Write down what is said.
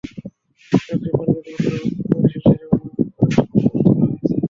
শিক্ষক রিপনকে গুরুতর অবস্থায় বরিশাল শের-ই–বাংলা মেডিকেল কলেজ হাসপাতালে ভর্তি করা হয়েছে।